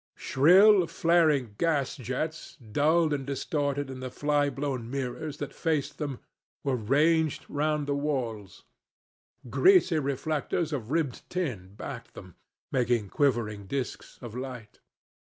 Shrill flaring gas jets, dulled and distorted in the fly blown mirrors that faced them, were ranged round the walls. Greasy reflectors of ribbed tin backed them, making quivering disks of light.